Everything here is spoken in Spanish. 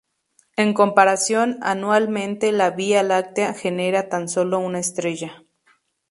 En comparación, anualmente la Vía Láctea genera tan sólo una estrella.